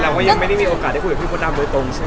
เราก็ยังไม่ได้มีโอกาสได้คุยกับพี่มดดำโดยตรงใช่ไหม